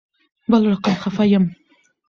بل رقم خفه یم